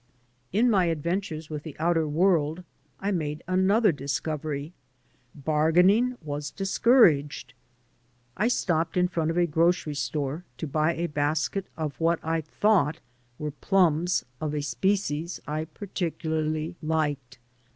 In my iadventures with the outer world I made an . other discovery. Bargaining was discouraged. I \ stopped in front of a grocery store to buy a basket of * what I thought were plums of a species I particularly ! liked.